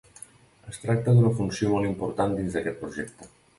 Es tracta d'una funció molt important dins d'aquest projecte.